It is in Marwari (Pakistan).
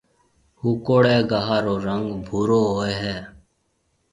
هوڪوڙيَ گها رو رنگ ڀورو هوئي هيَ۔